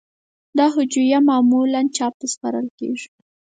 دا هجویه معمولاً چاپ ته سپارل کیږی.